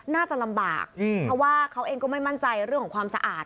น่าจะลำบากเพราะว่าเขาเองก็ไม่มั่นใจเรื่องของความสะอาด